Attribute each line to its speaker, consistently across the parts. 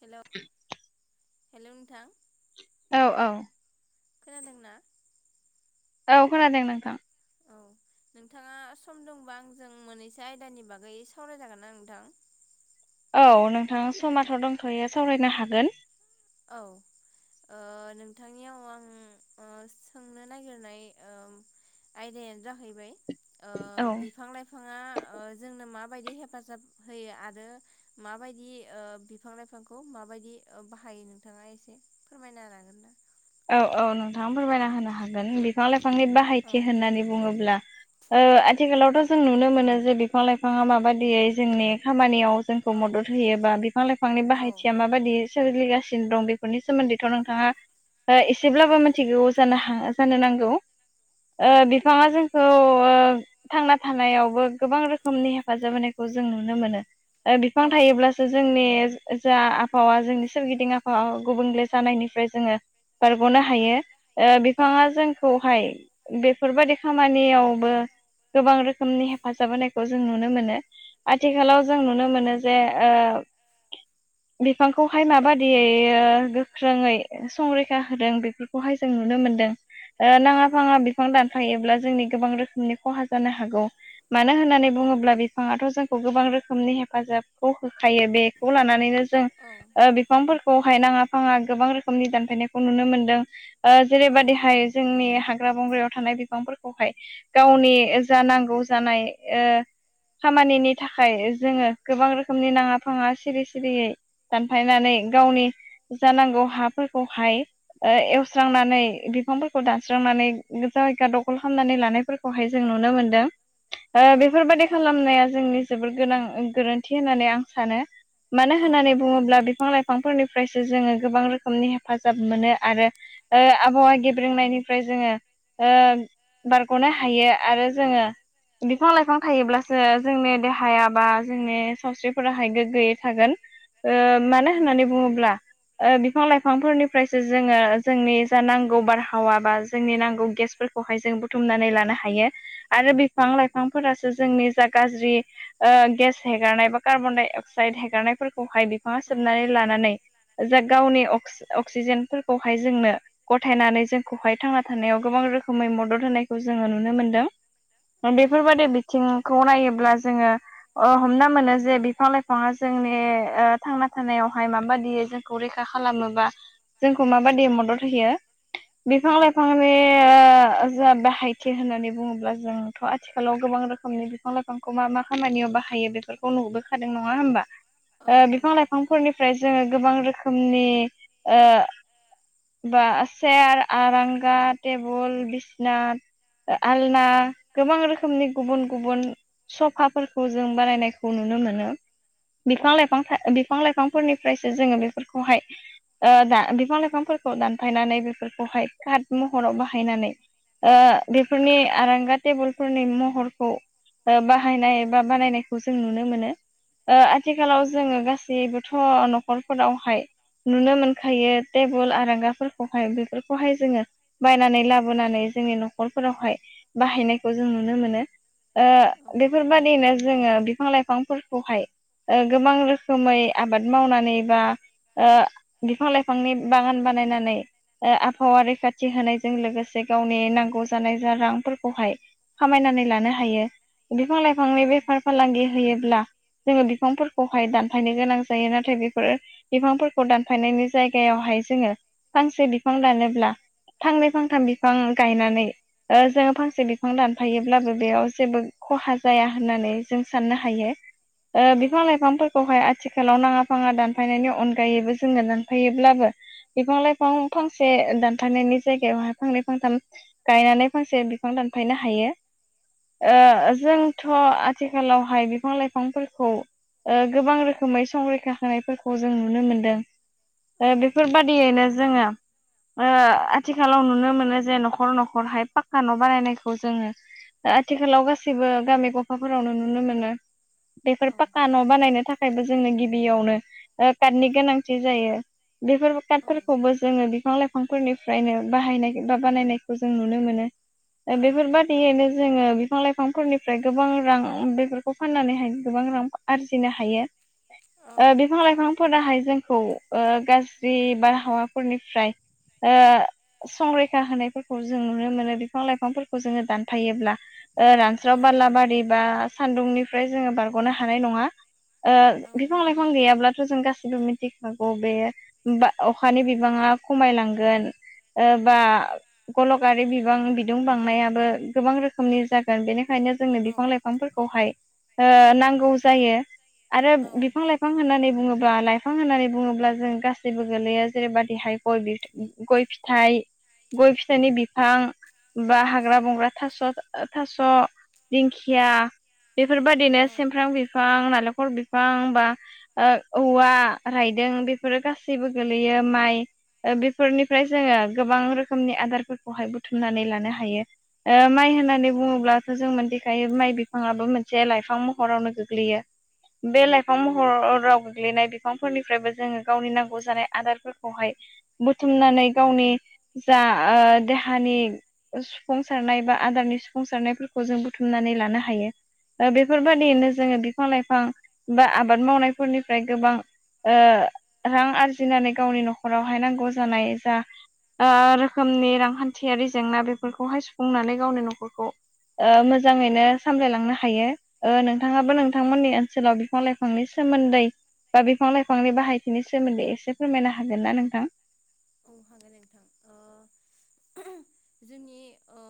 Speaker 1: Hello hello नोंथां
Speaker 2: औ औ
Speaker 1: खोनादोंना
Speaker 2: औ खोनादों नोंथां
Speaker 1: औ नोंथाङा सम दंबा आंजों मोननैसो आयदानि बागै सावरायजागोन ना नोंथां
Speaker 2: औ नोंथाङा समाथ' दंथ'यो सावरायनो हागोन
Speaker 1: औ नोंथांनियाव आं सोंनो नागिरनाय आयदायानो जाहैबाय
Speaker 2: औ
Speaker 1: बिफां लाइफां लाइफांया जोंनो माबायदि हेफाजाब होयो आरो माबायदि बिफां लाइफां खौ माबायदि बाहायो नोंथाङा एसे फोरमायना लागोन ना
Speaker 2: औ औ नोंथाङा फोरमायना होनो हागोन बिफां लाइफांनि
Speaker 1: औ
Speaker 2: बाहायथि होननानै बुङोब्ला आथिखालावथ' जों नुनो मोनो जे बिफां लाइफाङा माबायदियै जोंनि खामानियाव
Speaker 1: औ
Speaker 2: जोंखौ मदद होयोबा बिफां लाइफांनि
Speaker 1: औ
Speaker 2: बाहायथिया माबायदि सोलिगासिनो दं बेफोरनि सोमोन्दैथ' नोंथाङा एसेब्लाबो मिथिगौ जानो जानो नांगौ
Speaker 1: औ
Speaker 2: बिफाङा जोंखौ ओ थांना थानायावबो गोबां रोखोमनि हेफाजाब होनायखौ जों नुनो मोनो
Speaker 1: औ
Speaker 2: बिफां थायोब्ला सो जोंनि जा आबहावा जोंनि सोरगिदिं आबहावा गुबुंले जानायनिफ्राय जोङो बारग'नो हायो बिफाङा जों खौहाय बेफोरबादि खामानियावबो गोबां रोखोमनि हेफाजाब होनायखौ जों नुनो मोनो आथिखालाव जों नुनो मोनो जे ओ बिफांखौहाय माबादियै गोख्रोङै संरै होदों बेफोरखौहाय जों नुनो मोनदों ओ नांङा
Speaker 1: औ
Speaker 2: फांङा बि बिफां दानफायोब्ला जोंनि गोबां रोखोमनि खहा जानो हागौ। मानो होननानै बुङोब्ला बिफांङाथ' जोंखौ गोबां रोखोमनि हेफाजाबखौ होखायो बेखौ लानानैनो जों बिफांफोरखौहाय नांङा फांङा गोबां रोखोमनि दानफायनायखौ नुनो मोनदों। जेरैबायदिहाय जोंनि हाग्रा बंग्रायाव थानाय बिफांफोरखौहाय गावनि जा नांगौ जानाय ओ खामानिनि थाखाय जोंङो गोबां रोखोमनि नांङा फांङा सिरि सिरियै दानफायनानै गावनि जानांगौ हाफोरखौहाय ओ एवस्रांनानै बिफांफोरखौ दानस्रांनानै जायगा दखल खालामनानै लानायफोरखौ खौहाय जों नुनो मोन्दों।
Speaker 1: न बुंद [unintelligible]
Speaker 2: ओ बेफोरबायदि खालामनाया जोंनि जोबोर गोनां गोरोन्थि होननानै आं सानो। मानो
Speaker 1: औ
Speaker 2: होननानै बुंङोब्ला बिफां लाइफांफोरनिफ्रायसो जोंङो गोबां रोखोमनि हेफाजाब मोनो आरो आबहावा गेब्रेंनायनिफ्राय जोंङो बारग'नो हायो आरो जोंङो बिफां-लाइफां थायोब्लासो जोंनि देहाया बा जोंनि सावस्रिफोराहाय गोग्गोयै थागोन। ओ मानो होननानै बुंङोब्ला बिफां लाइफांफोरनि ओमफ्रायसो जोंङो जोंनि जा नांगौ बारहावा बा जोंनि नांगौ गेसफोरखौहाय जों बु बुथुमनानै लानो हायो आरो बिफां लाइफांफोरासो जोंनि जा गाज्रि ओ गेस
Speaker 1: ओ
Speaker 2: हेगारनाय बा कार्बन डाइ अक्साइद हेगारनायफोरखौहाय बिफांङा सोबनानै लानानै जा गावनि अक्सिजेनफोरखौहाय जोंनो गथायनानै जोंखौहाय थांना थानायाव गोबां रोखोमै मदद होनायखौ जोंङो नुनो मोनदों।
Speaker 1: खामानियाव
Speaker 2: बेफोरबायदि बिथिंखौ नायोब्ला जोंङो ओ हमना मोनो जे बिफां लाइफांङा जोंनि थांना थानायावहाय माबायदि जों खौ रैखा खालामोबा जोंखौ माबायदि मदद होयो। बिफां लाइफां बे जा बाहायथि होननानै बुंङोब्ला जों थ' आथिखालाव गोबां रोखोमनि बिफां लाइफांखौ मा मा खामानियाव बाहायो बेफोरखौ नुबोखादों नंङा होमबा?
Speaker 1: म
Speaker 2: ओ बिफां लाइफांफोरनिफ्राय जोंङो गोबां रोखोमनि ओ बा चेयार आरांगा टेबोल बिसना आलना गोबां रोखोमनि गुबुन गुबुन सफाफोरखौ जों बानायनायखौ नुनो मोनो। बिफां-लाइफां था बिफां-लाइफांफोरनिफ्रायसो जोंङो बेफोरखौहाय बिफां-लाइफांफोरखौ दानफायनानै बेफोरखौहाय कारट महराव बाहायनानै ओ बेफोरनि आरांगा टेबोलफोरनि महरखौ ओ बाहायनाय बा बानायनायखौ जों नुनो मोनो। ओ आथिखालाव जोंङो गासैबोथ' न'खरफोरावहाय नुनो मोन खायो टेबोल आरांगाफोरखौहाय बेफोरखौहाय जोंङो बायनानै लाबोनानै जोंनि न'खरफोरावहाय बाहायनायखौ जों नुनो मोनो। ओ बेफोरबादिनो जोंङो बिफां लाइफांफोरखौहाय गोबां रोखोमै आबाद मावनानै बा ओ बिफां लाइफांनि बागान बानायनानै ओ आबहावा रैखाथि होनायजों लोगोसे गावनि नांगौ जानाय जा रांफोरखौहाय खामायनानै लानो हायो बिफां लाइफांनि बेफार फालांगि होयोब्ला जोंङो बिफांफोरखौहाय दानफायनो गोनां जायो। नाथाय बेफोरो बिफांफोरखौ दान थानायनि जायगायावहाय जोंङो फांसे बिफां दानोब्ल फांनै फांथाम बिफां गायनानै ओ जोङो फांसे बिफां दानफायोब्लाबो बेयाव जेबो खहा जाया होननानै जों साननो हायो।
Speaker 1: [inaudible]
Speaker 2: ओ बिफां-लाइफांफोरखौहाय आथिखालाव नाङा-फाङा दानफायनायनि अनगायैबो जोङो दानफायोब्लाबो बिफां-लाइफां फांसे दानफायनायनि जायगायावहाय फांनै फांथाम गायनानै फांसे बिफां दानफायनो हायो।
Speaker 1: औ
Speaker 2: ओ जों थ' आथिखालावहाय बिफां-लाइफांफोरखौ ओ गोबां रोखोमै संरैखा होनायफोरखौ जों नुनो मोनदों।
Speaker 1: औ
Speaker 2: ओ बेफोरबादियैनो जोङो ओ आथिखालाव नुनो मोनो जे न'खर न'खरहाय पाक्का न' बानायनायखौ जोङो आथिखालाव गासैबो गामि गफाफोरावनो नुनो मोनो। बेफोर पाक्का न' बानायनो थाखायबो जोंनो गिबियावनो ओ कातनि गोनांथि जायो। बेफोर
Speaker 1: औ
Speaker 2: कातफोरखौबो जोङो बिफां-लाइफांफोरनिफ्रायनो बाहायनाय बा बानायनायखौ जों नुनो मोनो।
Speaker 1: औ
Speaker 2: ओ बेफोरबादियैनो जोङो बिफां लाइफांफोरनिफ्राय गोबां रां बेफोरखौ फाननानैहाय गोबां रां आरजिनो हायो। ओ बिफां लाइफांफोराहाय जों खौ गाज्रि बारहावाफोरनिफ्राय ओ संरैखा होनायफोरखौ जों नुनो मोनो बिफां-लाइफांफोरखौ जोङो दानफायोब्ला ओ रानस्राव बारलाबारि बा सान्दुंनिफ्राय जोङो बारग'नो हानाय नङा। ओ बिफां-लाइफां गैयाब्लाथ' जों गासिबो मिटिक खागौ बेयो बा अखानि बिबाङा खमायलांगोन। ओ बा गल'कारि बिबां बिदुं बांनायाबो गोबां रोखोमनि जा गोन बेनिखायनो जोंनो बिफां लाइफांफोरखौहाय ओ नांगौ जायो। आरो बिफां लाइफां होननानै बुङोब्ला लाइफां होननानै बुङोब्ला जों गासैबो गोलैयो जेरैबादिहाय गय बिथ गय फिथाइ गय फिथायनि बिफां। बा हाग्रा
Speaker 1: औ
Speaker 2: बंग्रा थास' थास' दिंखिया। बेफोरबायदिनो
Speaker 1: औ
Speaker 2: सेमफ्राम बिफां नालेंखल बिफां बा ओ औवा रायदों बेफोरो गासैबो गोलैयो माइ ओ बेफोरनिफ्राय जोङो गोबां रोखोमनि आदारफोरखौहाय बुथुमनानै लानो हायो। ओ
Speaker 1: औ
Speaker 2: माइ होननानै बुङोब्लाथ' जों मोनथिखायो माइ बिफाङाबो मोनसे लाइफां महरावनो गोग्लैयो। बे लाइफां महराव गोग्लैनाय बिफांफोरनि फ्रायबो जोङो गावनि नांगौ जानाय आदारफोरखौहाय बुथुमनानै गावनि जा ओ देहानि सुफुंसारनाय बा आदारनि सुफुंसारनायफोरखौ जों बुथुमनानै लानो हायो। ओ बेफोरबायदियैनो जोङो बिफां लाइफां बा
Speaker 1: हागोन
Speaker 2: आबाद मावनायफोरनिफ्राय गोबां ओ रां आरजिनानै गावनि न'खरावहाय नांगौ जानाय जा ओ रोखोमनि रांखान्थियारि जेंना बेफोरखौहाय सुफुंनानै गावनि न'खरखौ ओ मोजाङैनो सामलायलांनो हायो। ओ नोंथाङाबो नोंथांमोननि ओनसोलाव बिफां लाइफांनि सोमोन्दै बा बिफां लाइफांनि बाहायथिनि सोमोन्दै एसे फोरमायनो हागोन ना नोंथां?
Speaker 1: औ हागोन नोंथां। ओ जोंनि ओ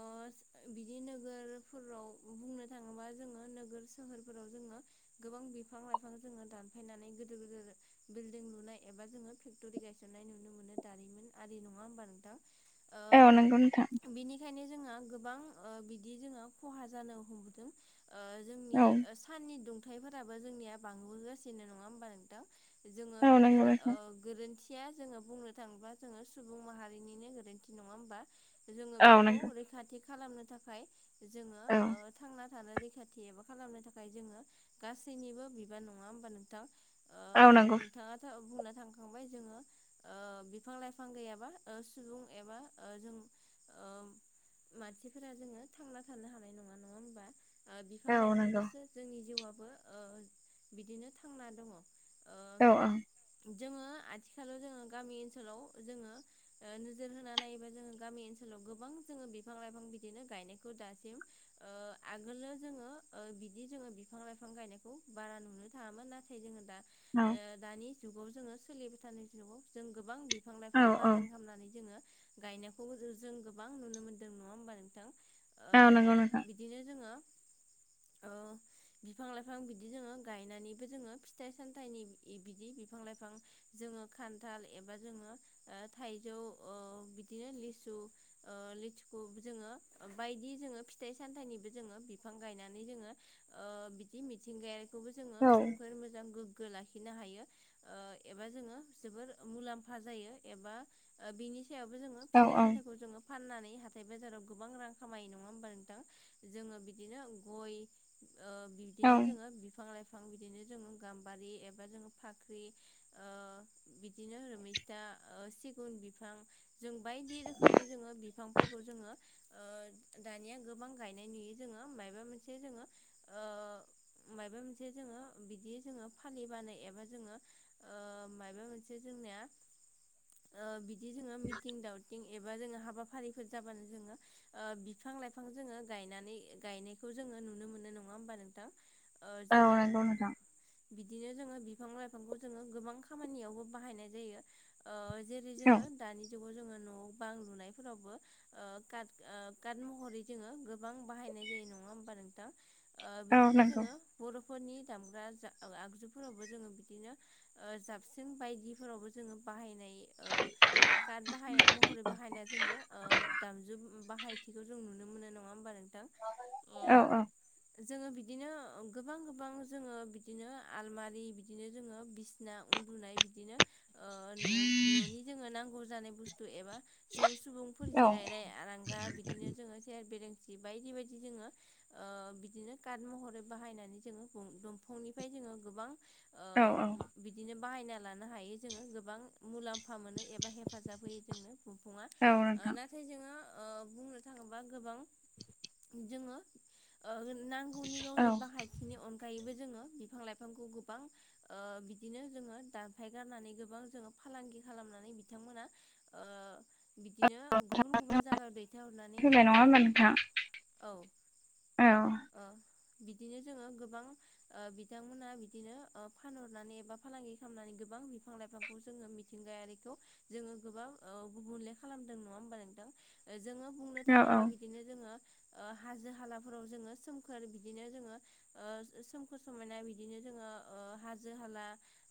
Speaker 1: बिदि नोगोरफोराव बुंनो थाङोबा जोङो नोगोर सोहोरफोराव जोङो गोबां बिफां लाइफां जोङो दानफायनानै गोदो गोदोर बिल्डिं लुनाय एबा जोङो फेक्ट'रि गायसननाय नुनो मोनो। दारिमिन आरि नङा होमबा नोंथां
Speaker 2: औ नंगौ नोंथां
Speaker 1: ओ बिनि खायनो जोंहा गोबां ओ बिदि जोंङो खहा जानो हमबोदों ओ जोंनि
Speaker 2: औ
Speaker 1: ओ साननि दुंथाइफोराबो जोंनिया बांबोगासिनो नङा होमबा नोंथां जोङो
Speaker 2: औ
Speaker 1: बेफोर
Speaker 2: नंगौ नोंथां।
Speaker 1: ओ गोरोन्थिया जोङो बुंनो थाङोब्ला जोङो सुबुं माहारिनिनो गोरोन्थि नङा होमबा। जोङो
Speaker 2: औ
Speaker 1: बेखौ
Speaker 2: नंगौ
Speaker 1: रैखाथि खालामनो थाखाय जोङो
Speaker 2: औ
Speaker 1: ओ थांना थानो रैखाथि एबा खालामनो थाखाय जोङो गासैनिबो बिबान नङा होमबा नोंथां। ओ
Speaker 2: औ नंगौ
Speaker 1: नोंथाङा बुंना थांखांबाय जोङो ओ बिफां लाइफां गैयाबा ओ सुबुं एबा ओ जों ओ मानसिफोरा जोङो थांना थानो हानाय नङा नङा होमबा। ओ बिफां
Speaker 2: औ नंगौ
Speaker 1: लाइफांदोसो जोंनि जिउबो ओ बिदिनो थांना दङ।
Speaker 2: औ
Speaker 1: ओ जोङो आथिखालाव जोङो गामि ओनसोलाव जोङो ओ नोजोर होनानै नायोबा जोङो गामि ओनसोलाव गोबां जोङो बिफां लाइफां बिदिनो गायनायखौ दासिम ओ आगोलो जोङो बिदि जोङो बिफां लाइफां गायनायखौ बारा नुनो थाङामोन नाथ थाय जो दा ओ दानि जुगाव जोङो सोलिबाय थानाय जुगाव जों गोबां बिफां
Speaker 2: औ
Speaker 1: लाइफां बागान खामनानै जोङो गायनायखौबो जों गोबां नुनो मोनदों नङा होमबा नोंथां ओ
Speaker 2: औ नंगौ नोंथां
Speaker 1: बि दिनो जोङो ओ बिफां लाइफां बिदि जोङो गायनानैबो जोङो फिथाइ सामथाइनि बिदि बिफां लाइफां जोङो खान्थाल एबा जोङो ओ थाइजौ ओ बिदिनो लिसु ओ लिथुखु जोङो बायदि जोङो फिथाइ सामथाइनिबो जोङो बिफां गायनानै जोङो ओ बिदि मिथिंगाय खौबो जोङो
Speaker 2: औ
Speaker 1: सोमखोर मोजां गोग्गो लाखिनो हायो ओ एबा जोङो जोबोर मुलाम्फा जायो एबा बिनि सायावबो जोङो
Speaker 2: औ
Speaker 1: फिथाइ सामथाइखौ जोङो फाननानै हाथाय बाजाराव गोबां रां खामायो नङा होमबा नोंथां। जोङो बिदिनो गय ओ
Speaker 2: औ
Speaker 1: बिदिनो जोङो बिफां लाइफ फां बिदिनो जोङो गाम्बारि एबा जों फाख्रि ओ बिफां बिदिनो रोमैसथा ओ सिगुन बिफां जों बायदि रोखोमनि जोङो बिफांफोरखौ जोङो ओ दानिया गोबां गायनाय नुयो जोङो माबा मोनसे जोङो ओ मायबा मोनसे जोङो बिदि जोङो फालिबानो एबा जोङो मायबा मोनस जे जोंनिया बिदि जोङो मितिं दावतिं एबा जोङो हाबाफारिफोर जाबानो जोङो ओ बिफां लाइफां जोङो गायनानै गायनायखौ जोङो नुनो मोनो नङा होमबा नोंथां। ओ
Speaker 2: औ
Speaker 1: जोङो
Speaker 2: नंगौ नोंथां
Speaker 1: बिदिनो जोङो बिफां लाइफांखौ जोङो गोबां खामानियावबो बाहायनाय जायो ओ जेरै
Speaker 2: औ
Speaker 1: जोङो दानि जुगाव जोङो न' बां लुनायफोरावबो ओ काट ओ काट महरै जोङो गोबां बाहायनाय जायो नङा होमबा नोंथां। ओ
Speaker 2: औ
Speaker 1: बिदिनो
Speaker 2: नंगौ
Speaker 1: जोङो बर'फोरनि दामग्रा जा आगजुफोरावबो जोङो बिदिनो ओ जाबस्रिं बायद दिफोरावबो जोङो बाहायनाय ओ कार्ड बाहाय महरै बाहायनाय जोङो ओ दामजु बाहायथिखौ जों नुनो मोनो न नङा होमबा नोंथां? ओ
Speaker 2: औ
Speaker 1: जोङो बिदिनो गोबां गोबां जोङो बिदिनो आलमारि बिदिनो जोङो बिस ना उन्दुनाय बिदिनो ओ न' न'नि जोङो नांगौ जानाय बुस्थु एबा जों सुबुंफोर
Speaker 2: औ
Speaker 1: जिरायनाय आरांगा बिदिनो जोङो सेर बेरेंसि बायदि बायदि जोङो ओ बिदिनो काट महरै बाहायनानै जोङो बन दंफांनिफ्राय जोङो गोबां
Speaker 2: औ
Speaker 1: ओ बिदिनो बाहायना लानो हायो जोङो गोबां। मुलाम्फा मोनो एबा हेफाजाब होयो जोंनो बंफंआ
Speaker 2: औ नोंथां
Speaker 1: नाथ थाय जोङो ओ बुंनो थाङोबा गोबां जोङो ओ नांगौनि
Speaker 2: औ
Speaker 1: गावनि बाहायथ बिनि अनगायैबो जोङो बिफां लाइफांखौ गोबां ओ बिदिनो जोङो दानफायगारनानै गोबां जोङो फालांगि खालामनानै बिथांमोना ओ बिदिनो गुबुन गुबुन जागाव दैथाय हरनानै
Speaker 2: फैबाय नङा
Speaker 1: औ।
Speaker 2: होमबा नोंथां
Speaker 1: औ
Speaker 2: औ
Speaker 1: ओ बिदिनो जोङो गोबां ओ बिथांमोनहा बिदिनो फानहरनानै एबा फालांगि खालामनानै गोबां फां लाइफांखौ जोङो मिथिंगायारिखौ जोङो गोबां ओ गुबुनले खालामदों नङा होमबा नोंथां? जोङो बुंनो
Speaker 2: औ
Speaker 1: थाङोबा
Speaker 2: औ
Speaker 1: बि बिदिनो जोङो ओ हाजो हालाफोराव जोङो सोमखोर बिदिनो जोङो ओ सोमखोर समायना बिदिनो जोङो ओ हाजो हाला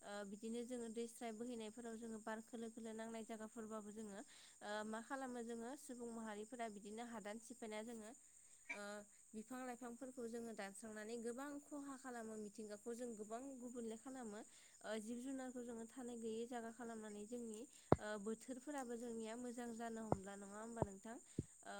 Speaker 1: ओ बिदिनो जोङो दै स्राय बोहैनायफोराव जोङो बार खोलो खोलो नांनाय जायगाफोरबाबो जोङो ओ मा खालामो जोङो सुबुं माहारिफोरा बिदिनो हादान सिफायना जोङो ओ बिफां लाइफांफोरखौ जोङो दानस्रांनानै गोबां खहा खालामो मिथिंगाखौ जों गोबां गुबुंले खालामो। ओ जिब जुनारखौ जोङो थानाय गैयै जायगा खालामनानै जोंनि ओ बोथोरफोराबो जोंनिया मोजां जानो हमला नङा होमबा नोंथां? ओ